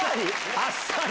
あっさり。